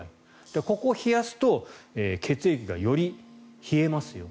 だから、ここを冷やすと血液がより冷えますよ。